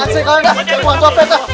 saya bukan copet